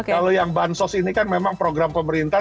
kalau yang bansos ini kan memang program pemerintah